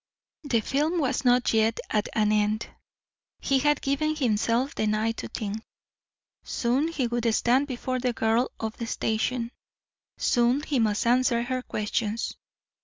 The film was not yet at an end. He had given himself the night to think. Soon he would stand before the girl of the station; soon he must answer her questions.